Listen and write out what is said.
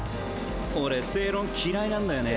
俺正論嫌いなんだよね。